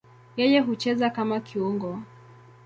Yeye hucheza kama kiungo.